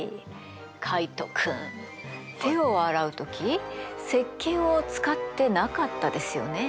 カイト君手を洗う時せっけんを使ってなかったですよね？